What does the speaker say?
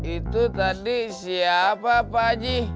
itu tadi siapa pak haji